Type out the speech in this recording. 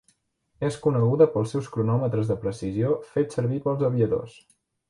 És coneguda pels seus cronòmetres de precisió fets servir pels aviadors.